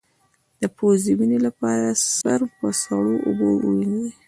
د پوزې وینې لپاره سر په سړو اوبو ووینځئ